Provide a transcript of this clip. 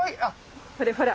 これほら。